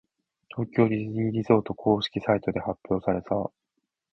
東京ディズニーリゾート公式サイトで発表された。